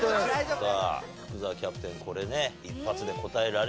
さあ福澤キャプテンこれね一発で答えられるんでしょうか。